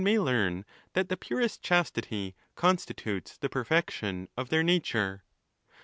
may learn that the purest chastity constitutes the perfection of their nature.